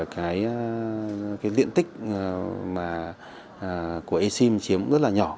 các điện tích của e sim chiếm rất là nhỏ